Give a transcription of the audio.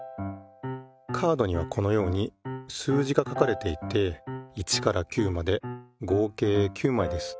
カードにはこのように数字が書かれていて１から９まで合計９まいです。